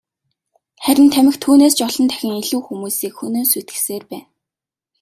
Харин тамхи түүнээс ч олон дахин илүү хүмүүсийг хөнөөн сүйтгэсээр байна.